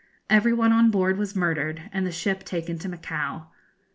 Every one on board was murdered, and the ship taken to Macao.